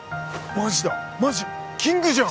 マジだマジキングじゃん！